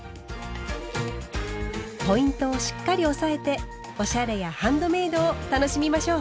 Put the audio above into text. ポイントをしっかり押さえておしゃれやハンドメイドを楽しみましょう。